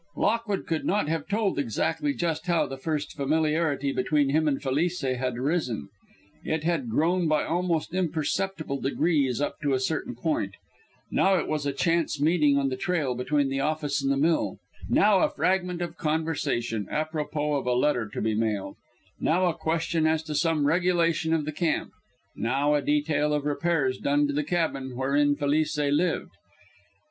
Lockwood could not have told exactly just how the first familiarity between him and Felice had arisen. It had grown by almost imperceptible degrees up to a certain point; now it was a chance meeting on the trail between the office and the mill, now a fragment of conversation apropos of a letter to be mailed, now a question as to some regulation of the camp, now a detail of repairs done to the cabin wherein Felice lived.